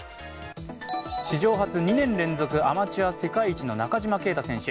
史上初２年連続アマチュア世界一の中島啓太選手。